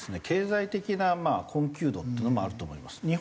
経済的な困窮度っていうのもあると思います。